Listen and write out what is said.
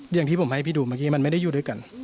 อย่างที่ผมให้พี่ดูเมื่อกี้มันไม่ได้อยู่ด้วยกัน